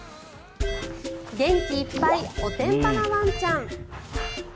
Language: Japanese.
元気いっぱいおてんばなワンちゃん。